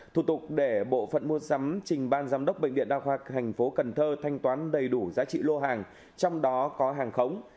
thủ tục để bộ phận mua sắm trình ban giám đốc bệnh viện đa khoa tp cần thơ thanh toán đầy đủ giá trị lô hàng trong đó có hàng khống